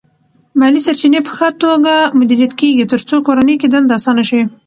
مالی سرچینې په ښه توګه مدیریت کېږي ترڅو کورنۍ کې دنده اسانه شي.